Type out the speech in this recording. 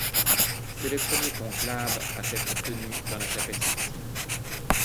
C'est le premier conclave à s'être tenu dans la chapelle Sixtine.